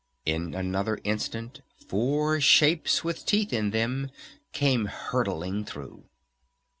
In another instant four shapes with teeth in them came hurtling through!